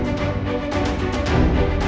nanti kita dibilang